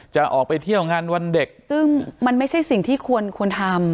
จะออกไปเที่ยวงานวันเด็กซึ่งมันไม่ใช่สิ่งที่ควรควรทำ